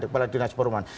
kepala dinas perumahan